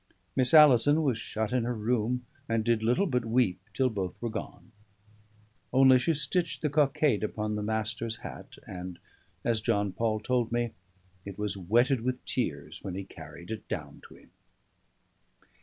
Miss Alison was shut in her room, and did little but weep, till both were gone; only she stitched the cockade upon the Master's hat, and (as John Paul told me) it was wetted with tears when he carried it down to him.